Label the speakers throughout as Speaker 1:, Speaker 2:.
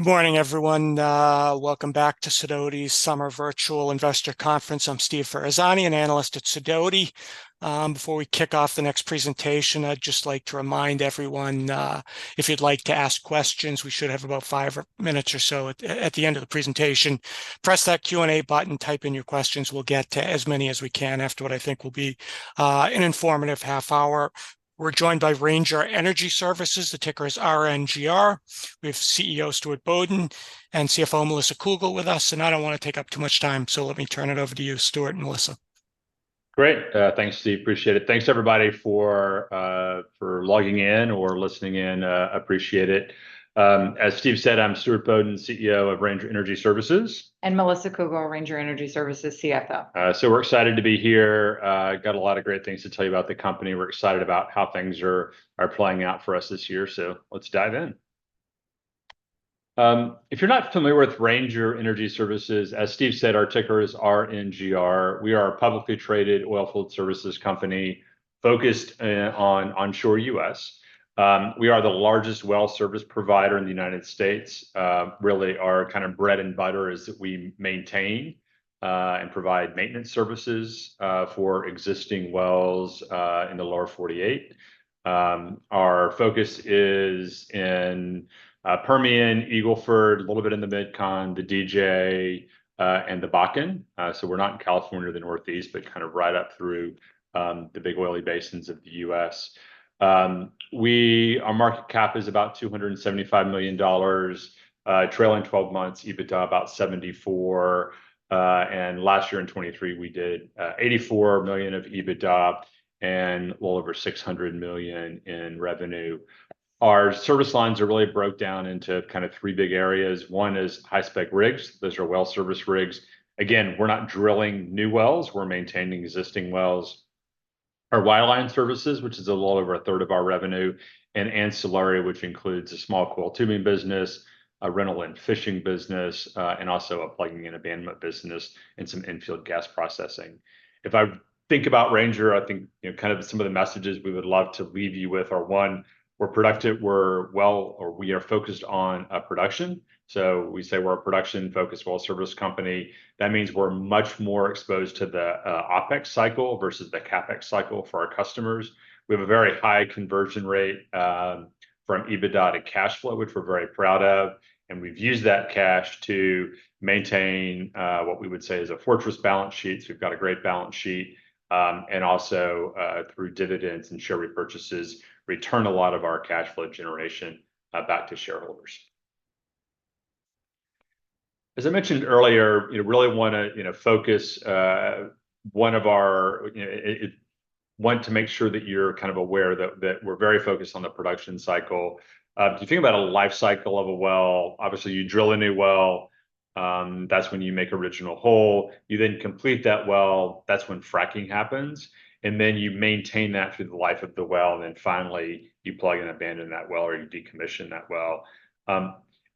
Speaker 1: ...Good morning, everyone. Welcome back to Sidoti's Summer Virtual Investor Conference. I'm Steve Ferazani, an Analyst at Sidoti. Before we kick off the next presentation, I'd just like to remind everyone, if you'd like to ask questions, we should have about 5 or 10 minutes or so at the end of the presentation. Press that Q&A button, type in your questions, we'll get to as many as we can after what I think will be an informative half hour. We're joined by Ranger Energy Services. The ticker is RNGR. We have CEO Stuart Bodden and CFO Melissa Cougle with us, and I don't wanna take up too much time, so let me turn it over to you, Stuart and Melissa.
Speaker 2: Great. Thanks, Steve. Appreciate it. Thanks, everybody, for logging in or listening in, appreciate it. As Steve said, I'm Stuart Bodden, CEO of Ranger Energy Services.
Speaker 3: Melissa Cougle, Ranger Energy Services CFO.
Speaker 2: So we're excited to be here. Got a lot of great things to tell you about the company. We're excited about how things are playing out for us this year, so let's dive in. If you're not familiar with Ranger Energy Services, as Steve said, our ticker is RNGR. We are a publicly traded well service company focused on onshore U.S. We are the largest well service provider in the United States. Really, our kind of bread and butter is that we maintain and provide maintenance services for existing wells in the Lower 48. Our focus is in Permian, Eagle Ford, a little bit in the Midcon, the DJ, and the Bakken. So we're not in California or the Northeast, but kind of right up through the big oily basins of the U.S. Our market cap is about $275 million, trailing twelve months EBITDA about $74 million. And last year in 2023, we did $84 million of EBITDA and well over $600 million in revenue. Our service lines are really broken down into kind of three big areas. One is high-spec rigs. Those are well service rigs. Again, we're not drilling new wells, we're maintaining existing wells. Our wireline services, which is a little over a third of our revenue, and ancillary, which includes a small coil tubing business, a rental and fishing business, and also a plugging and abandonment business, and some infield gas processing. If I think about Ranger, I think, you know, kind of some of the messages we would love to leave you with are, one, we're productive, we're well, or we are focused on production. So we say we're a production-focused well service company. That means we're much more exposed to the OpEx cycle versus the CapEx cycle for our customers. We have a very high conversion rate from EBITDA to cash flow, which we're very proud of, and we've used that cash to maintain what we would say is a fortress balance sheet, so we've got a great balance sheet, and also through dividends and share repurchases, return a lot of our cash flow generation back to shareholders. As I mentioned earlier, you know, really wanna, you know, focus one of our... You know, want to make sure that you're kind of aware that, that we're very focused on the production cycle. If you think about a life cycle of a well, obviously, you drill a new well, that's when you make original hole. You then complete that well, that's when fracking happens, and then you maintain that through the life of the well, and then finally, you plug and abandon that well, or you decommission that well.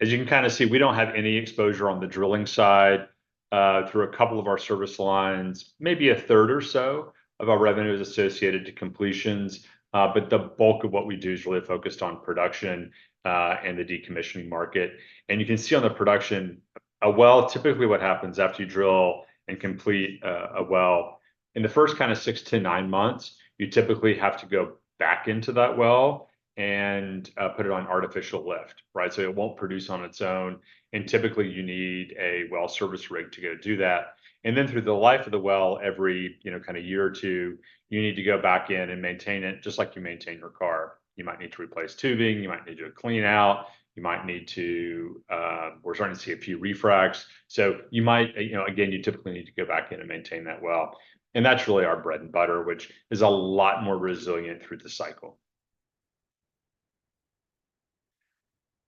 Speaker 2: As you can kinda see, we don't have any exposure on the drilling side, through a couple of our service lines. Maybe a third or so of our revenue is associated to completions, but the bulk of what we do is really focused on production, and the decommissioning market. You can see on the production, a well, typically what happens after you drill and complete a well, in the first kind of 6-9 months, you typically have to go back into that well and put it on artificial lift, right? So it won't produce on its own, and typically you need a well service rig to go do that. Then through the life of the well, every, you know, kind of year or 2, you need to go back in and maintain it, just like you maintain your car. You might need to replace tubing, you might need to do a clean-out, you might need to... We're starting to see a few refracs. So you might, you know, again, you typically need to go back in and maintain that well, and that's really our bread and butter, which is a lot more resilient through the cycle.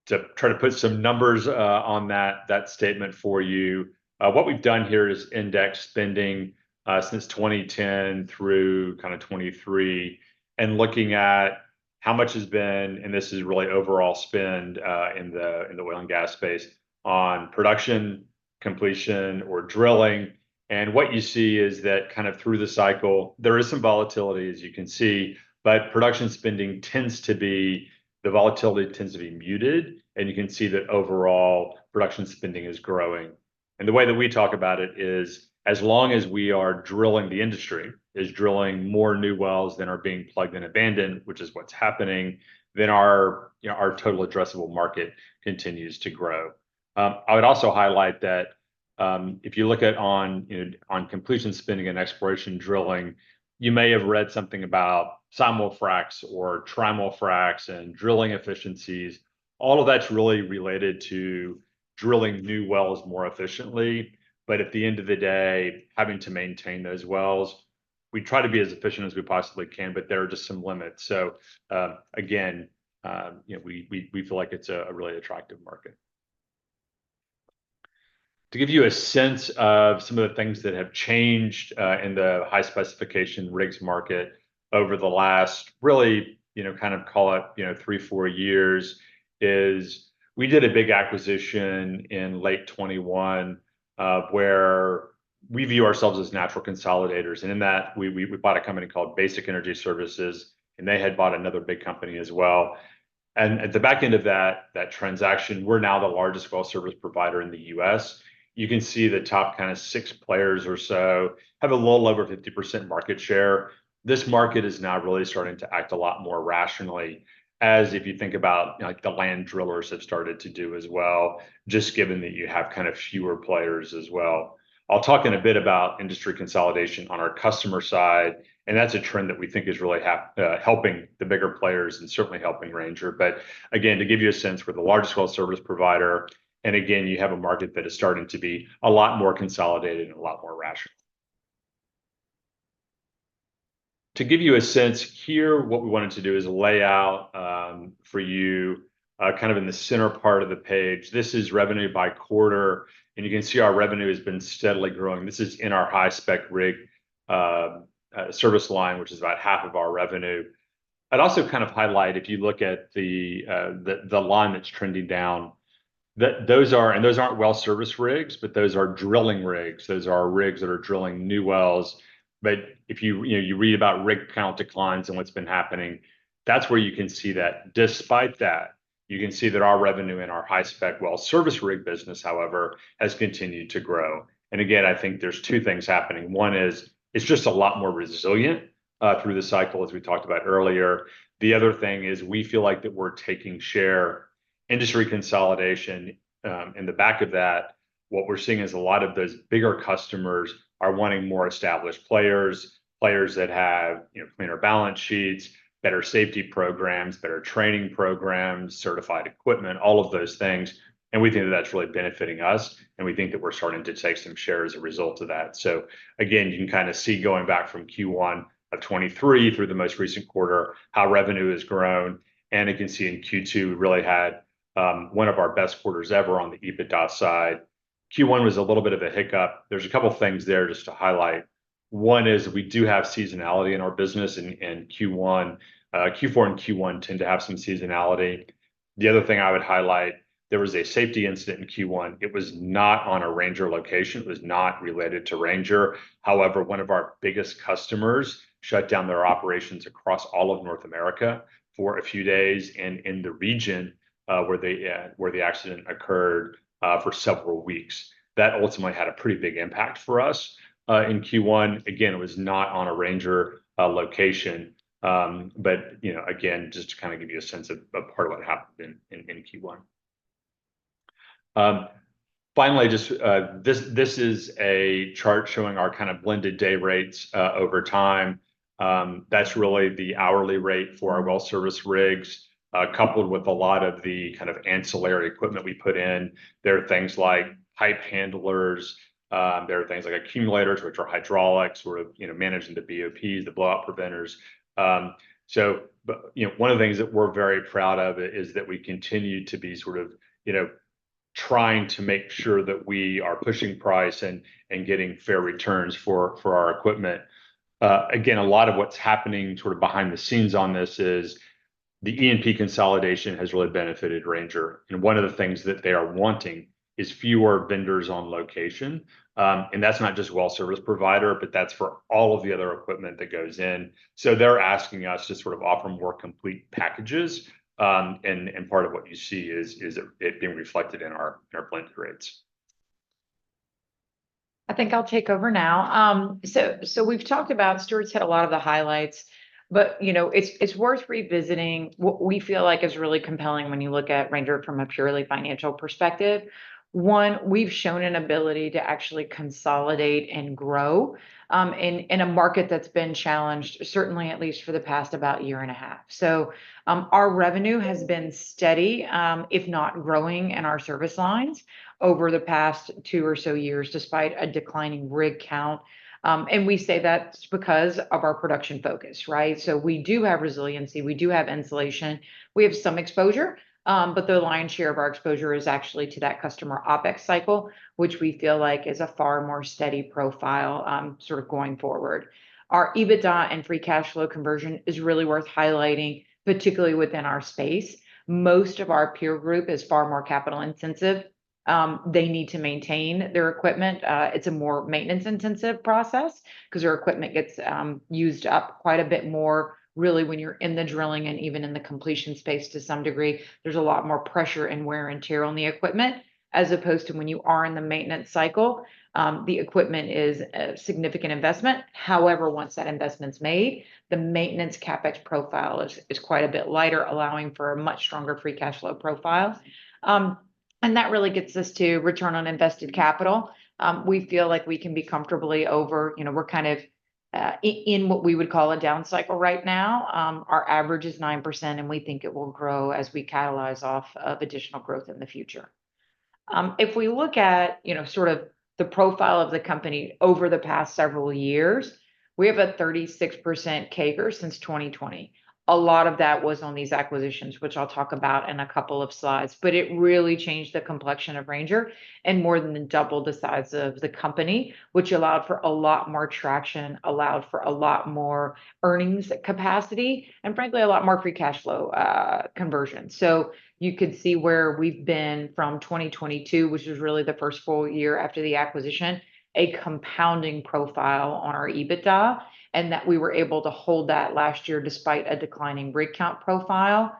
Speaker 2: To try to put some numbers on that statement for you, what we've done here is index spending since 2010 through kind of 2023, and looking at how much has been, and this is really overall spend in the oil and gas space, on production, completion, or drilling. And what you see is that kind of through the cycle, there is some volatility, as you can see, but production spending tends to be the volatility tends to be muted, and you can see that overall production spending is growing. The way that we talk about it is, as long as we are drilling, the industry is drilling more new wells than are being plugged and abandoned, which is what's happening, then our, you know, our total addressable market continues to grow. I would also highlight that, if you look at on, you know, on completion spending and exploration drilling, you may have read something about Simul-fracs or Trimul-fracs and drilling efficiencies. All of that's really related to drilling new wells more efficiently, but at the end of the day, having to maintain those wells, we try to be as efficient as we possibly can, but there are just some limits. So, again, you know, we feel like it's a really attractive market. To give you a sense of some of the things that have changed in the high-specification rigs market over the last three, four years, is we did a big acquisition in late 2021. We view ourselves as natural consolidators, and in that, we bought a company called Basic Energy Services, and they had bought another big company as well. And at the back end of that transaction, we're now the largest well service provider in the U.S. You can see the top kind of six players or so have a little over 50% market share. This market is now really starting to act a lot more rationally, as if you think about, like, the land drillers have started to do as well, just given that you have kind of fewer players as well. I'll talk in a bit about industry consolidation on our customer side, and that's a trend that we think is really happening, helping the bigger players and certainly helping Ranger. But again, to give you a sense, we're the largest well service provider, and again, you have a market that is starting to be a lot more consolidated and a lot more rational. To give you a sense here, what we wanted to do is lay out for you kind of in the center part of the page. This is revenue by quarter, and you can see our revenue has been steadily growing. This is in our high-spec rig service line, which is about half of our revenue. I'd also kind of highlight, if you look at the, the, the line that's trending down, that those are—and those aren't well service rigs, but those are drilling rigs. Those are rigs that are drilling new wells. But if you, you know, you read about rig count declines and what's been happening, that's where you can see that. Despite that, you can see that our revenue in our high-spec well service rig business, however, has continued to grow. And again, I think there's two things happening. One is, it's just a lot more resilient, through the cycle, as we talked about earlier. The other thing is, we feel like that we're taking share. Industry consolidation, in the back of that, what we're seeing is a lot of those bigger customers are wanting more established players, players that have, you know, cleaner balance sheets, better safety programs, better training programs, certified equipment, all of those things, and we think that's really benefiting us, and we think that we're starting to take some share as a result of that. So again, you can kinda see, going back from Q1 of 2023 through the most recent quarter, how revenue has grown, and you can see in Q2, we really had, one of our best quarters ever on the EBITDA side. Q1 was a little bit of a hiccup. There's a couple of things there just to highlight. One is that we do have seasonality in our business, and Q1... Q4 and Q1 tend to have some seasonality. The other thing I would highlight, there was a safety incident in Q1. It was not on a Ranger location. It was not related to Ranger. However, one of our biggest customers shut down their operations across all of North America for a few days, and in the region where they where the accident occurred for several weeks. That ultimately had a pretty big impact for us in Q1. Again, it was not on a Ranger location, but you know, again, just to kinda give you a sense of part of what happened in Q1. Finally, just this is a chart showing our kind of blended day rates over time. That's really the hourly rate for our well service rigs coupled with a lot of the kind of ancillary equipment we put in. There are things like pipe handlers, there are things like accumulators, which are hydraulics, sort of, you know, managing the BOPs, the blowout preventers. So, but, you know, one of the things that we're very proud of is that we continue to be sort of, you know, trying to make sure that we are pushing price and, and getting fair returns for, for our equipment. Again, a lot of what's happening sort of behind the scenes on this is the E&P consolidation has really benefited Ranger, and one of the things that they are wanting is fewer vendors on location. And that's not just well service provider, but that's for all of the other equipment that goes in. So they're asking us to sort of offer more complete packages, and part of what you see is it being reflected in our blend rate.
Speaker 3: I think I'll take over now. So, we've talked about, Stuart's hit a lot of the highlights, but, you know, it's worth revisiting what we feel like is really compelling when you look at Ranger from a purely financial perspective. One, we've shown an ability to actually consolidate and grow in a market that's been challenged, certainly, at least for the past about a year and a half. So, our revenue has been steady, if not growing in our service lines over the past two or so years, despite a declining rig count. And we say that's because of our production focus, right? We do have resiliency, we do have insulation, we have some exposure, but the lion's share of our exposure is actually to that customer OpEx cycle, which we feel like is a far more steady profile, sort of going forward. Our EBITDA and free cash flow conversion is really worth highlighting, particularly within our space. Most of our peer group is far more capital-intensive. They need to maintain their equipment. It's a more maintenance-intensive process 'cause their equipment gets used up quite a bit more. Really, when you're in the drilling and even in the completion space to some degree, there's a lot more pressure and wear and tear on the equipment, as opposed to when you are in the maintenance cycle, the equipment is a significant investment. However, once that investment's made, the maintenance CapEx profile is quite a bit lighter, allowing for a much stronger free cash flow profile. And that really gets us to return on invested capital. We feel like we can be comfortably over... You know, we're kind of in what we would call a down cycle right now. Our average is 9%, and we think it will grow as we catalyze off of additional growth in the future. If we look at, you know, sort of the profile of the company over the past several years, we have a 36% CAGR since 2020.... A lot of that was on these acquisitions, which I'll talk about in a couple of slides. But it really changed the complexion of Ranger, and more than doubled the size of the company, which allowed for a lot more traction, allowed for a lot more earnings capacity, and frankly, a lot more free cash flow conversion. So you could see where we've been from 2022, which was really the first full year after the acquisition, a compounding profile on our EBITDA, and that we were able to hold that last year despite a declining rig count profile.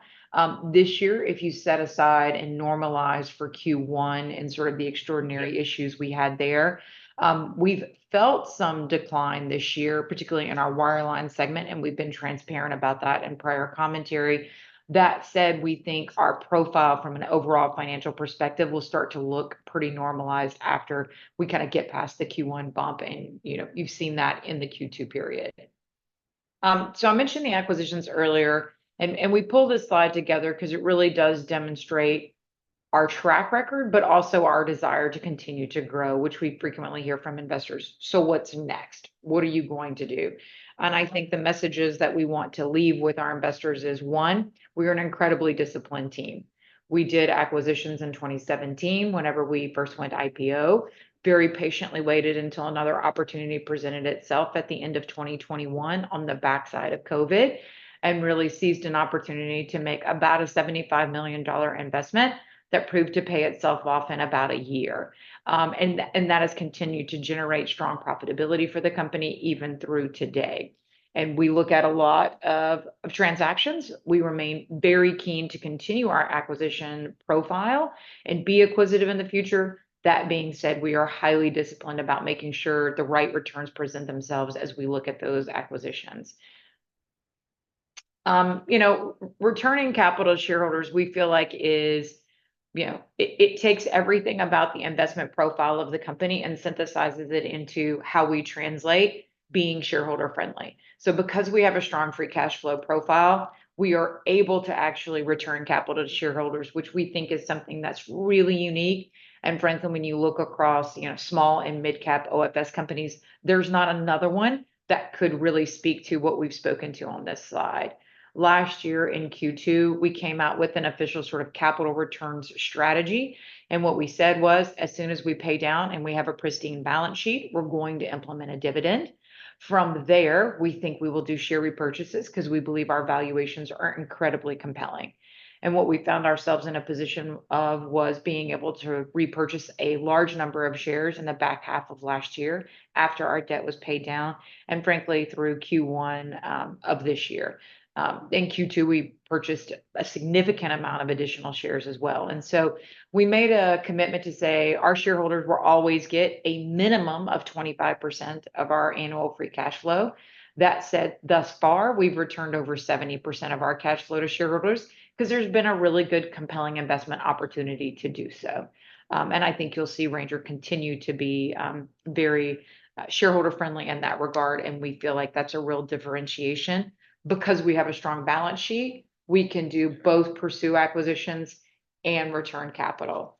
Speaker 3: This year, if you set aside and normalize for Q1 and sort of the extraordinary issues we had there, we've felt some decline this year, particularly in our wireline segment, and we've been transparent about that in prior commentary. That said, we think our profile from an overall financial perspective will start to look pretty normalized after we kinda get past the Q1 bump, and, you know, you've seen that in the Q2 period. So I mentioned the acquisitions earlier, and we pulled this slide together 'cause it really does demonstrate our track record, but also our desire to continue to grow, which we frequently hear from investors. "So what's next? What are you going to do?" And I think the messages that we want to leave with our investors is, one, we're an incredibly disciplined team. We did acquisitions in 2017, whenever we first went IPO, very patiently waited until another opportunity presented itself at the end of 2021 on the backside of COVID, and really seized an opportunity to make about a $75 million investment that proved to pay itself off in about a year. And that has continued to generate strong profitability for the company, even through today. We look at a lot of transactions. We remain very keen to continue our acquisition profile and be acquisitive in the future. That being said, we are highly disciplined about making sure the right returns present themselves as we look at those acquisitions. You know, returning capital to shareholders, we feel like is, you know... It takes everything about the investment profile of the company and synthesizes it into how we translate being shareholder-friendly. So because we have a strong free cash flow profile, we are able to actually return capital to shareholders, which we think is something that's really unique. And frankly, when you look across, you know, small and midcap OFS companies, there's not another one that could really speak to what we've spoken to on this slide. Last year, in Q2, we came out with an official sort of capital returns strategy, and what we said was, as soon as we pay down and we have a pristine balance sheet, we're going to implement a dividend. From there, we think we will do share repurchases, 'cause we believe our valuations are incredibly compelling. What we found ourselves in a position of was being able to repurchase a large number of shares in the back half of last year, after our debt was paid down, and frankly, through Q1 of this year. In Q2, we purchased a significant amount of additional shares as well. So we made a commitment to say our shareholders will always get a minimum of 25% of our annual free cash flow. That said, thus far, we've returned over 70% of our cash flow to shareholders, 'cause there's been a really good, compelling investment opportunity to do so. And I think you'll see Ranger continue to be very shareholder-friendly in that regard, and we feel like that's a real differentiation. Because we have a strong balance sheet, we can do both pursue acquisitions and return capital.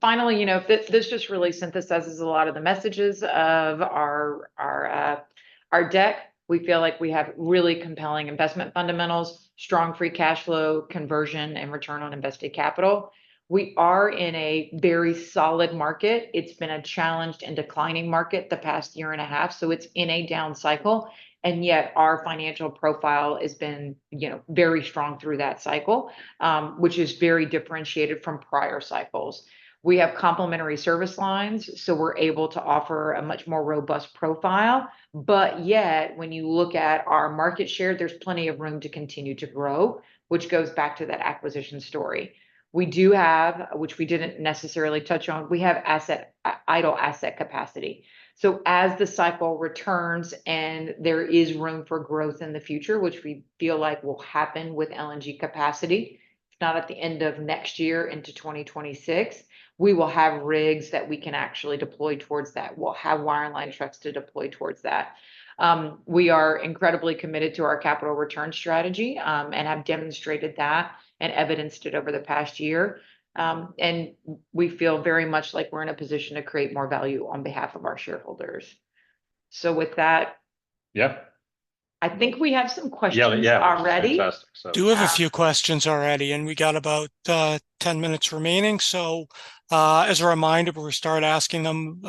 Speaker 3: Finally, you know, this just really synthesizes a lot of the messages of our, our, our deck. We feel like we have really compelling investment fundamentals, strong free cash flow conversion, and return on invested capital. We are in a very solid market. It's been a challenged and declining market the past year and a half, so it's in a down cycle, and yet our financial profile has been, you know, very strong through that cycle, which is very differentiated from prior cycles. We have complementary service lines, so we're able to offer a much more robust profile. But yet, when you look at our market share, there's plenty of room to continue to grow, which goes back to that acquisition story. We do have, which we didn't necessarily touch on, we have idle asset capacity. So as the cycle returns and there is room for growth in the future, which we feel like will happen with LNG capacity, if not at the end of next year into 2026, we will have rigs that we can actually deploy towards that. We'll have wireline trucks to deploy towards that. We are incredibly committed to our capital return strategy, and have demonstrated that and evidenced it over the past year. And we feel very much like we're in a position to create more value on behalf of our shareholders. So with that-
Speaker 2: Yeah.
Speaker 3: I think we have some questions already.
Speaker 2: Yeah, yeah. Fantastic, so-
Speaker 1: Do have a few questions already, and we got about 10 minutes remaining. So, as a reminder, when we start asking them,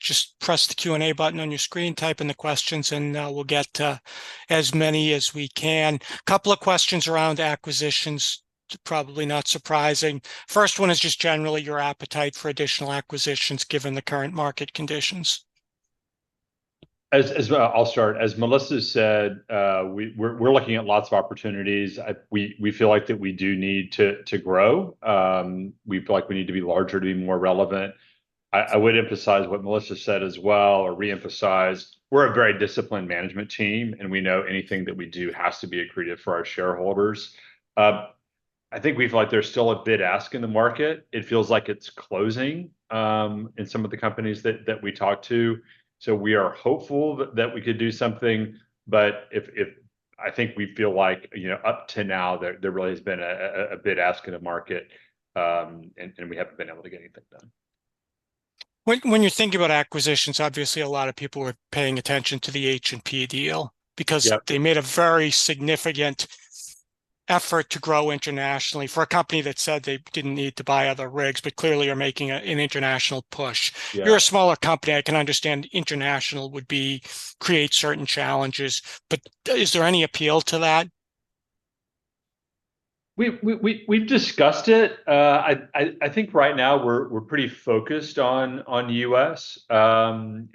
Speaker 1: just press the Q&A button on your screen, type in the questions, and we'll get to as many as we can. Couple of questions around acquisitions, probably not surprising. First one is just generally your appetite for additional acquisitions, given the current market conditions.
Speaker 2: I'll start. As Melissa said, we're looking at lots of opportunities. We feel like that we do need to grow. We feel like we need to be larger to be more relevant. I would emphasize what Melissa said as well, or re-emphasize, we're a very disciplined management team, and we know anything that we do has to be accretive for our shareholders. I think we feel like there's still a bid-ask in the market. It feels like it's closing in some of the companies that we talk to, so we are hopeful that we could do something. But if I think we feel like, you know, up to now, there really has been a bid-ask in the market, and we haven't been able to get anything done....
Speaker 1: When you think about acquisitions, obviously a lot of people are paying attention to the H&P deal-
Speaker 2: Yep...
Speaker 1: because they made a very significant effort to grow internationally for a company that said they didn't need to buy other rigs, but clearly are making an international push.
Speaker 2: Yeah.
Speaker 1: You're a smaller company. I can understand international would be, create certain challenges, but is there any appeal to that?
Speaker 2: We've discussed it. I think right now we're pretty focused on U.S. And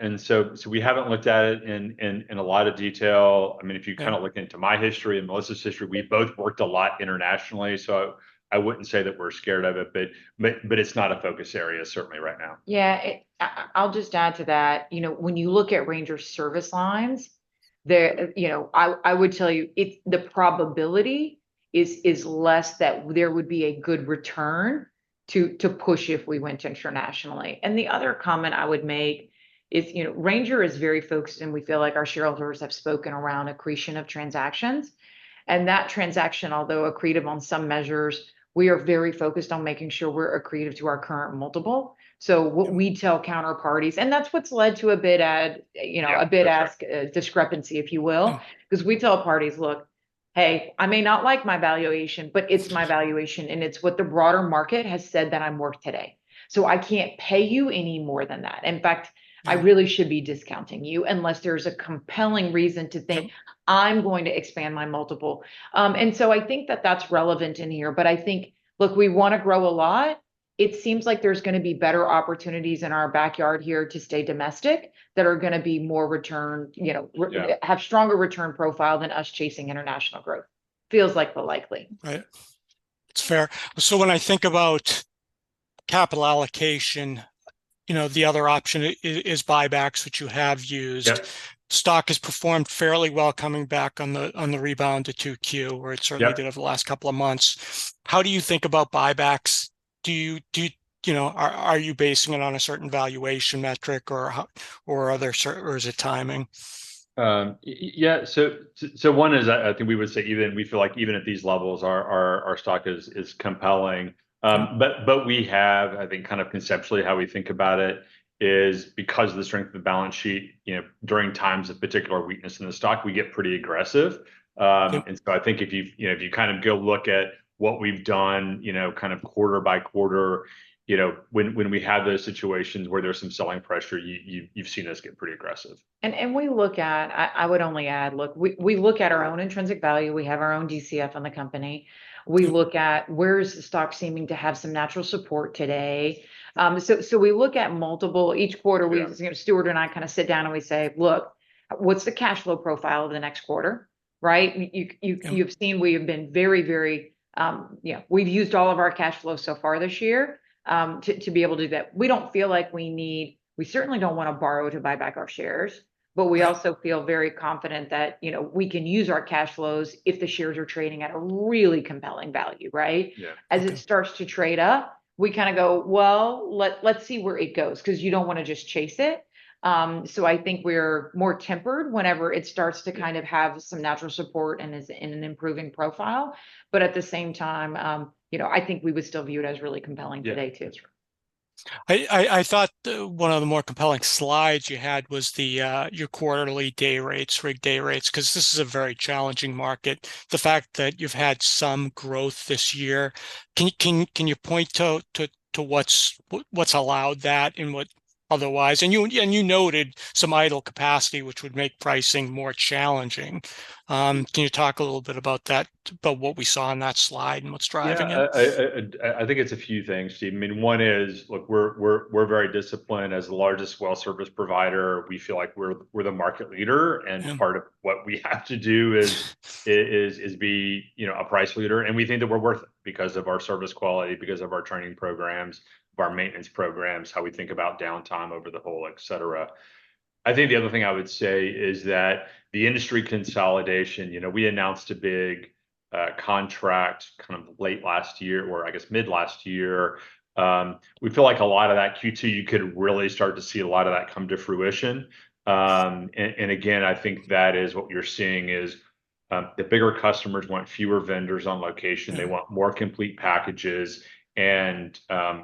Speaker 2: we haven't looked at it in a lot of detail. I mean, if you-
Speaker 1: Yeah...
Speaker 2: kinda look into my history and Melissa's history. We've both worked a lot internationally, so I wouldn't say that we're scared of it, but it's not a focus area certainly right now.
Speaker 3: Yeah, I'll just add to that. You know, when you look at Ranger's service lines, I would tell you the probability is less that there would be a good return to push if we went internationally. And the other comment I would make is, you know, Ranger is very focused, and we feel like our shareholders have spoken around accretion of transactions. And that transaction, although accretive on some measures, we are very focused on making sure we're accretive to our current multiple.
Speaker 2: Yeah.
Speaker 3: So what we tell counterparties. And that's what's led to a bid, you know-
Speaker 2: Yeah...
Speaker 3: a bid-ask, discrepancy, if you will.
Speaker 1: Mm.
Speaker 3: 'Cause we tell parties, "Look, hey, I may not like my valuation, but it's my valuation, and it's what the broader market has said that I'm worth today. So I can't pay you any more than that. In fact, I really should be discounting you, unless there's a compelling reason to think I'm going to expand my multiple." And so I think that that's relevant in here, but I think, look, we wanna grow a lot. It seems like there's gonna be better opportunities in our backyard here to stay domestic, that are gonna be more return, you know-
Speaker 2: Yeah...
Speaker 3: have stronger return profile than us chasing international growth. Feels like the likely.
Speaker 1: Right. It's fair. So when I think about capital allocation, you know, the other option is buybacks, which you have used.
Speaker 2: Yep.
Speaker 1: Stock has performed fairly well coming back on the rebound to 2Q-
Speaker 2: Yep...
Speaker 1: where it certainly did over the last couple of months. How do you think about buybacks? Do you, you know, are you basing it on a certain valuation metric or how, or is it timing?
Speaker 2: Yeah, so one is, I think we would say even, we feel like even at these levels, our stock is compelling. But we have, I think, kind of conceptually how we think about it is because of the strength of the balance sheet, you know, during times of particular weakness in the stock, we get pretty aggressive.
Speaker 1: Yep...
Speaker 2: and so I think if you've, you know, if you kind of go look at what we've done, you know, kind of quarter by quarter, you know, when we have those situations where there's some selling pressure, you've seen us get pretty aggressive.
Speaker 3: I would only add, look, we look at our own intrinsic value. We have our own DCF on the company.
Speaker 1: Yeah.
Speaker 3: We look at where the stock is seeming to have some natural support today? So we look at multiple...
Speaker 1: Yeah
Speaker 3: Each quarter, we, you know, Stuart and I kind of sit down and we say, "Look, what's the cash flow profile of the next quarter?" Right?
Speaker 1: Yeah.
Speaker 3: You've seen we have been very, very, you know, we've used all of our cash flow so far this year, to be able to do that. We don't feel like we need—we certainly don't wanna borrow to buy back our shares, but we also feel very confident that, you know, we can use our cash flows if the shares are trading at a really compelling value, right?
Speaker 2: Yeah.
Speaker 3: As it starts to trade up, we kinda go, "Well, let's see where it goes," 'cause you don't wanna just chase it. So I think we're more tempered whenever it starts to kind of have some natural support and is in an improving profile. But at the same time, you know, I think we would still view it as really compelling today, too.
Speaker 2: Yeah, that's right.
Speaker 1: I thought one of the more compelling slides you had was the your quarterly day rates, rig day rates, 'cause this is a very challenging market. The fact that you've had some growth this year, can you point to what's allowed that and what otherwise... And you noted some idle capacity, which would make pricing more challenging. Can you talk a little bit about that, about what we saw on that slide and what's driving it?
Speaker 2: Yeah. I think it's a few things, Steve. I mean, one is, look, we're very disciplined. As the largest well service provider, we feel like we're the market leader-
Speaker 1: Yeah...
Speaker 2: and part of what we have to do is be, you know, a price leader. And we think that we're worth it because of our service quality, because of our training programs, of our maintenance programs, how we think about downtime over the whole, et cetera. I think the other thing I would say is that the industry consolidation, you know, we announced a big contract kind of late last year, or I guess mid last year. We feel like a lot of that Q2, you could really start to see a lot of that come to fruition. And again, I think that is what you're seeing, is the bigger customers want fewer vendors on location.
Speaker 1: Yeah.
Speaker 2: They want more complete packages, and,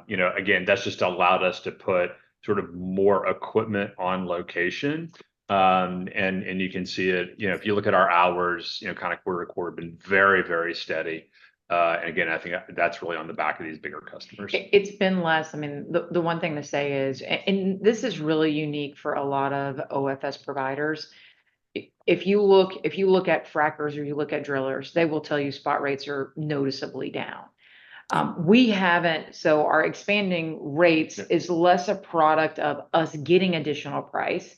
Speaker 2: you know, again, that's just allowed us to put sort of more equipment on location. And you can see it, you know, if you look at our hours, you know, kind of quarter to quarter, been very, very steady. And again, I think that's really on the back of these bigger customers.
Speaker 3: It's been less. I mean, the one thing to say is, and this is really unique for a lot of OFS providers, if you look at frackers or you look at drillers, they will tell you spot rates are noticeably down. We haven't, so our expanding rates-
Speaker 2: Yeah...
Speaker 3: is less a product of us getting additional price.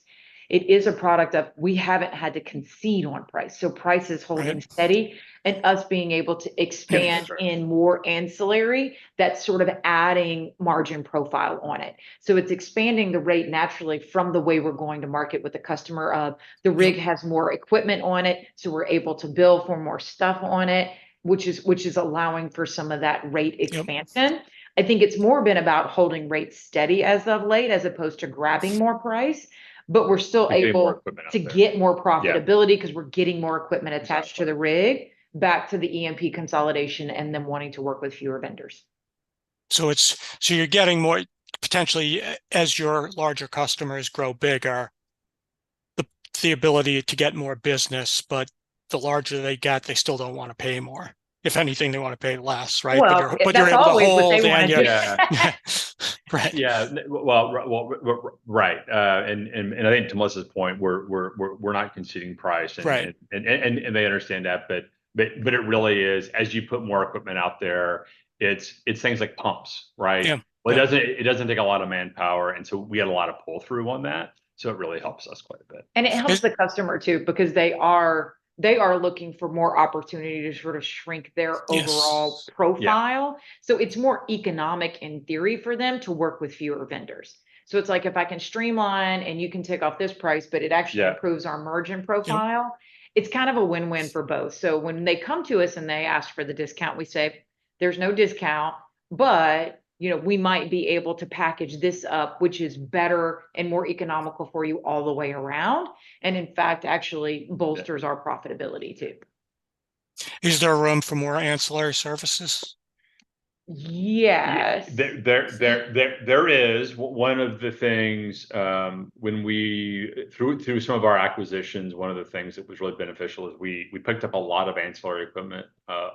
Speaker 3: It is a product of we haven't had to concede on price. So price is holding steady-
Speaker 2: Yeah...
Speaker 3: and us being able to expand-
Speaker 2: Yeah, that's right....
Speaker 3: in more ancillary, that's sort of adding margin profile on it. So it's expanding the rate naturally from the way we're going to market with the customer of the rig, has more equipment on it, so we're able to bill for more stuff on it, which is, which is allowing for some of that rate expansion.
Speaker 2: Yep.
Speaker 3: I think it's more been about holding rates steady as of late, as opposed to grabbing more price, but we're still able-
Speaker 2: Get more equipment out there....
Speaker 3: to get more profitability-
Speaker 2: Yeah...
Speaker 3: 'cause we're getting more equipment attached to the rig-
Speaker 2: That's right...
Speaker 3: back to the E&P consolidation, and them wanting to work with fewer vendors.
Speaker 1: So you're getting more, potentially, as your larger customers grow bigger, the ability to get more business, but the larger they get, they still don't wanna pay more. If anything, they wanna pay less, right?
Speaker 3: Well, that's always what they wanna do.
Speaker 1: But you're able to hold, and yeah. Right.
Speaker 2: Yeah. Well, right. And I think to Melissa's point, we're not conceding price-
Speaker 1: Right...
Speaker 2: and they understand that, but it really is, as you put more equipment out there, it's things like pumps, right?
Speaker 1: Yeah.
Speaker 2: Well, it doesn't, it doesn't take a lot of manpower, and so we get a lot of pull-through on that, so it really helps us quite a bit.
Speaker 3: It helps the customer, too, because they are looking for more opportunity to sort of shrink their-
Speaker 1: Yes...
Speaker 3: overall profile.
Speaker 1: Yeah.
Speaker 3: So it's more economic, in theory, for them to work with fewer vendors. So it's like if I can streamline, and you can take off this price, but it actually-
Speaker 2: Yeah...
Speaker 3: improves our margin profile.
Speaker 1: Yeah...
Speaker 3: it's kind of a win-win for both. So when they come to us, and they ask for the discount, we say, "There's no discount, but, you know, we might be able to package this up, which is better and more economical for you all the way around," and in fact, actually bolsters-
Speaker 2: Yeah...
Speaker 3: our profitability, too.
Speaker 1: Is there room for more ancillary services?
Speaker 3: Yes.
Speaker 2: Yeah. There is one of the things, when we, through some of our acquisitions, one of the things that was really beneficial is we picked up a lot of ancillary equipment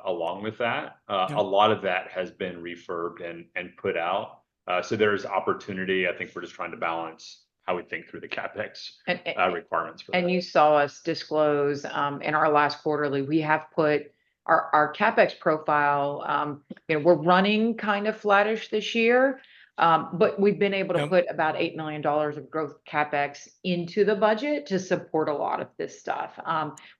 Speaker 2: along with that.
Speaker 1: Yeah.
Speaker 2: A lot of that has been refurbed and put out, so there's opportunity. I think we're just trying to balance how we think through the CapEx-
Speaker 3: And, and-...
Speaker 2: requirements for that.
Speaker 3: You saw us disclose in our last quarterly, we have put our CapEx profile, you know, we're running kind of flattish this year. But we've been able to-
Speaker 2: Yeah...
Speaker 3: put about $8 million of growth CapEx into the budget to support a lot of this stuff,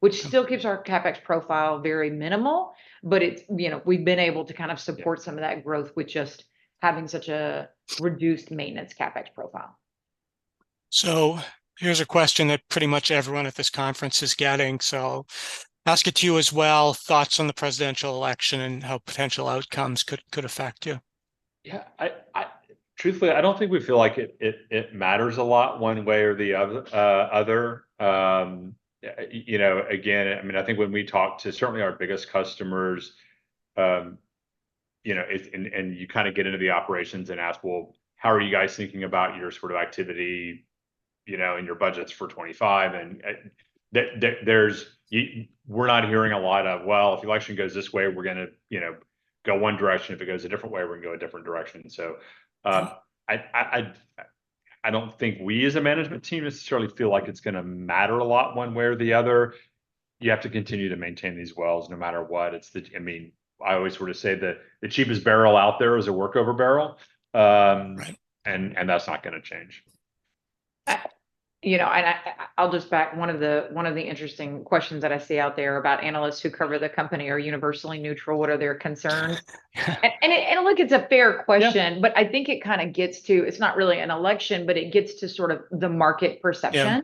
Speaker 3: which still keeps-
Speaker 2: Yeah...
Speaker 3: our CapEx profile very minimal, but it's, you know, we've been able to kind of support-
Speaker 2: Yeah...
Speaker 3: some of that growth with just having such a reduced maintenance CapEx profile.
Speaker 1: Here's a question that pretty much everyone at this conference is getting, so I'll ask it to you as well: Thoughts on the presidential election and how potential outcomes could, could affect you?
Speaker 2: Yeah, truthfully, I don't think we feel like it matters a lot one way or the other, other. You know, again, I mean, I think when we talk to certainly our biggest customers, you know, it's, and you kinda get into the operations and ask, "Well, how are you guys thinking about your sort of activity, you know, and your budgets for 2025?" And, we're not hearing a lot of, "Well, if the election goes this way, we're gonna, you know, go one direction. If it goes a different way, we're gonna go a different direction." So,
Speaker 1: Yeah...
Speaker 2: I don't think we as a management team necessarily feel like it's gonna matter a lot one way or the other. You have to continue to maintain these wells no matter what. It's the... I mean, I always sort of say that the cheapest barrel out there is a workover barrel.
Speaker 1: Right...
Speaker 2: and that's not gonna change.
Speaker 3: You know, I'll just back, one of the interesting questions that I see out there about analysts who cover the company are universally neutral. What are their concerns? And look, it's a fair question-
Speaker 1: Yeah...
Speaker 3: but I think it kinda gets to, it's not really an election, but it gets to sort of the market perception.
Speaker 1: Yeah.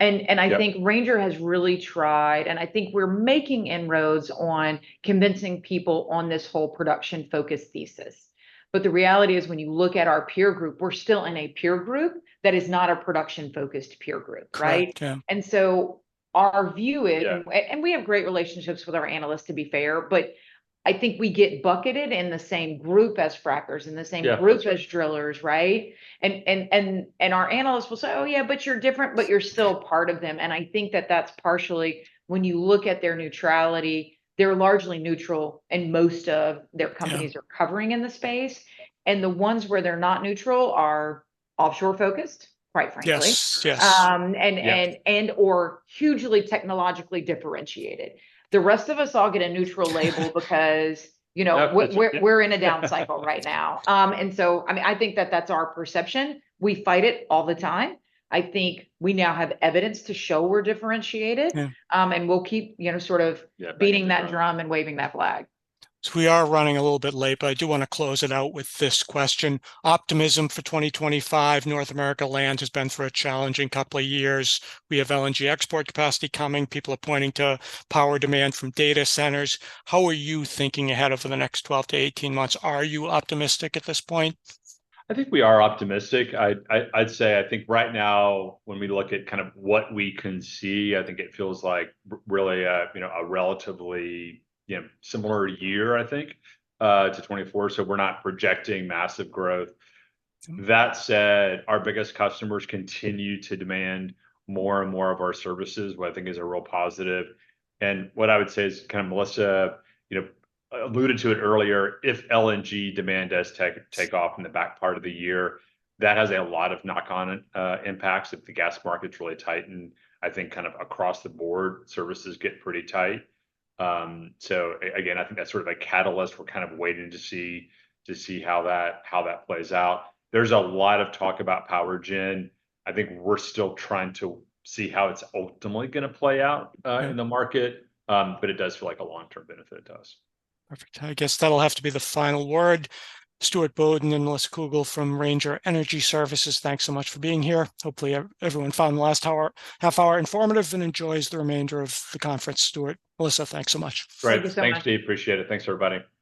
Speaker 3: And I think-
Speaker 2: Yeah...
Speaker 3: Ranger has really tried, and I think we're making inroads on convincing people on this whole production-focused thesis. But the reality is, when you look at our peer group, we're still in a peer group that is not a production-focused peer group, right?
Speaker 1: Correct. Yeah.
Speaker 3: And so our view is-
Speaker 2: Yeah...
Speaker 3: and we have great relationships with our analysts, to be fair, but I think we get bucketed in the same group as frackers-
Speaker 2: Yeah...
Speaker 3: in the same group as drillers, right? And our analysts will say, "Oh, yeah, but you're different," but you're still part of them. And I think that that's partially when you look at their neutrality, they're largely neutral, and most of their-
Speaker 1: Yeah...
Speaker 3: companies are covering in the space, and the ones where they're not neutral are offshore-focused, quite frankly.
Speaker 1: Yes, yes.
Speaker 3: Um-
Speaker 2: Yeah...
Speaker 3: and/or hugely technologically differentiated. The rest of us all get a neutral label... because, you know-
Speaker 2: Yep...
Speaker 3: we're in a down cycle right now. And so I mean, I think that that's our perception. We fight it all the time. I think we now have evidence to show we're differentiated.
Speaker 1: Yeah.
Speaker 3: We'll keep, you know, sort of-
Speaker 2: Yeah, beating the drum....
Speaker 3: beating that drum and waving that flag.
Speaker 1: So we are running a little bit late, but I do wanna close it out with this question: Optimism for 2025, North America Land has been through a challenging couple of years. We have LNG export capacity coming. People are pointing to power demand from data centers. How are you thinking ahead over the next 12-18 months? Are you optimistic at this point?
Speaker 2: I think we are optimistic. I'd say, I think right now, when we look at kind of what we can see, I think it feels like really, you know, a relatively, you know, similar year, I think, to 2024, so we're not projecting massive growth.
Speaker 1: Mm.
Speaker 2: That said, our biggest customers continue to demand more and more of our services, what I think is a real positive. And what I would say is, kind of Melissa, you know, alluded to it earlier, if LNG demand does take off in the back part of the year, that has a lot of knock-on impacts if the gas markets really tighten. I think kind of across the board, services get pretty tight. So again, I think that's sort of a catalyst. We're kind of waiting to see how that plays out. There's a lot of talk about power gen. I think we're still trying to see how it's ultimately gonna play out in the market-
Speaker 1: Yeah...
Speaker 2: but it does feel like a long-term benefit. It does.
Speaker 1: Perfect. I guess that'll have to be the final word. Stuart Bodden and Melissa Cougle from Ranger Energy Services, thanks so much for being here. Hopefully everyone found the last hour, half-hour informative and enjoys the remainder of the conference. Stuart, Melissa, thanks so much.
Speaker 2: Great.
Speaker 3: Thank you so much.
Speaker 2: Thanks, Steve. Appreciate it. Thanks, everybody.